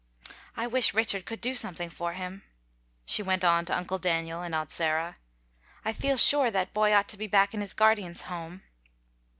I wish Richard could do something for him," she went on to Uncle Daniel and Aunt Sarah. "I feel sure that boy ought to be back in his guardian's home."